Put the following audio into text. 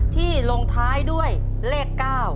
ที่ลงท้ายด้วยเลข๙